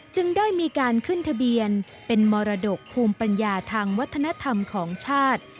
จึงได้มีการขึ้นทะเบียนเป็นมรดกภูมิปัญญาทางวัฒนธรรมของชาติ